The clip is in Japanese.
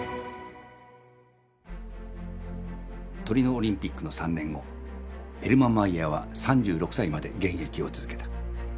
トリノオリンピックの３年後ヘルマンマイヤーは３６歳まで現役を続けた。